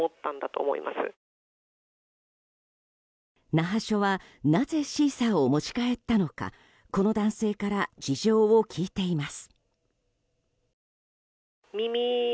那覇署はなぜシーサーを持ち帰ったのかこの男性から事情を聴いています。